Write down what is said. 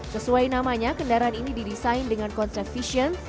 sesuai namanya kendaraan ini didesain dengan konsep vision